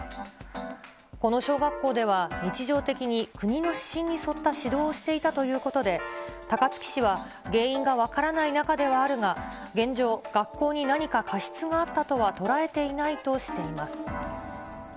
この小学校では、日常的に国の指針に沿った指導をしていたということで、高槻市は原因が分からない中ではあるが、現状、学校に何か過失があったとは捉えていないとしています。